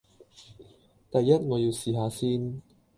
第一，我要試吓先